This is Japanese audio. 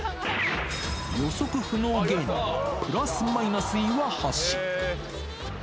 予測不能芸人、プラス・マイナス・岩橋。